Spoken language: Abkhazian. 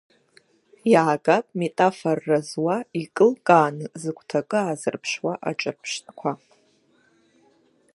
Иаагап метафорра зуа, икылкааны зыгәҭакы аазырԥшуа аҿырԥштәқәа.